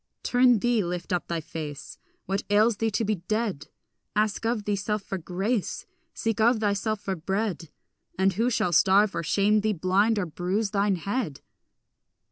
Turn thee, lift up thy face; What ails thee to be dead? Ask of thyself for grace, Seek of thyself for bread, And who shall starve or shame thee, blind or bruise thine head?